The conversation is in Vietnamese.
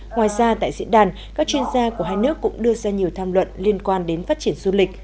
ngoài ra tại diễn đàn các chuyên gia của hai nước cũng đưa ra nhiều tham luận liên quan đến phát triển du lịch